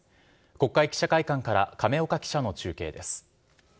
国会記者会館から亀岡記者の中継です。